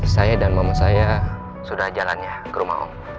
saya dan mama saya sudah jalannya ke rumah om